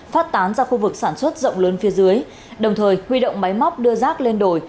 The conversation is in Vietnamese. phát tán ra khu vực sản xuất rộng lớn phía dưới đồng thời huy động máy móc đưa rác lên đồi